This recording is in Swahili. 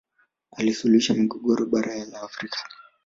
alisuluhisha migogoro mingi ya bara la afrika